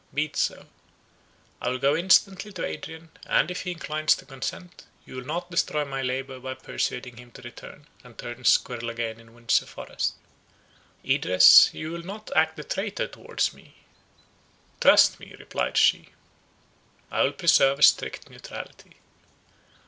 Be it so. I will go instantly to Adrian; and, if he inclines to consent, you will not destroy my labour by persuading him to return, and turn squirrel again in Windsor Forest. Idris, you will not act the traitor towards me?" "Trust me," replied she, "I will preserve a strict neutrality."